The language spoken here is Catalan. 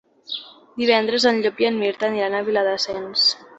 Divendres en Llop i en Mirt aniran a Viladasens.